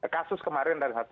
kasus kemarin dari masyarakat